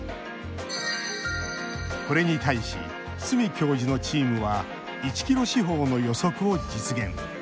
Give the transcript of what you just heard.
これに対し、角教授のチームは１ｋｍ四方の予測を実現。